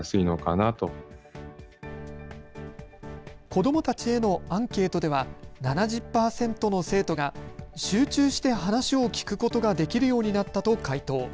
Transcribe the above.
子どもたちへのアンケートでは７０％の生徒が集中して話を聞くことができるようになったと回答。